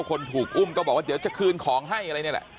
คนถูกอุ้มก็บอกว่าเดี๋ยวจะคืนของให้อะไรนี่แหละ